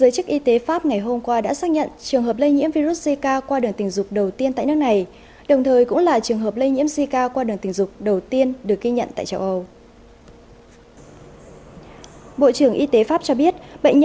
các bạn hãy đăng ký kênh để ủng hộ kênh của chúng mình nhé